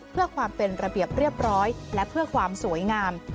เพื่อความเป็นระเบียบเรียบร้อยและเพื่อความสวยงาม